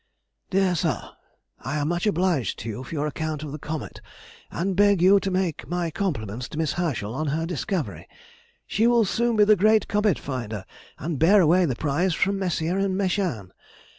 DEAR SIR,— I am much obliged to you for your account of the comet, and beg you to make my compliments to Miss Herschel on her discovery. She will soon be the great comet finder, and bear away the prize from Messier and Mechain.